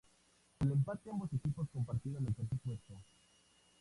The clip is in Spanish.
Por el empate ambos equipos compartieron el Tercer puesto.